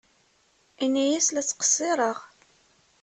Ini-as la ttqeṣṣireɣ.